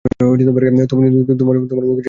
তোমার বউ কি জানে যে তুমি ব্যাংক ডাকাতি করো?